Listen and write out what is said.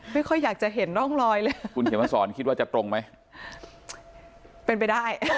ไม่ค่อยอยากจะเห็นร่องรอยเลยคุณเขียนมาสอนคิดว่าจะตรงไหมเป็นไปได้